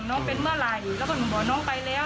น้องเป็นเมื่อไหร่แล้วก็หนูบอกน้องไปแล้ว